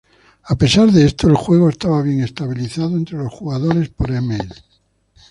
A pesar de esto, el juego estaba bien estabilizado entre los jugadores por email.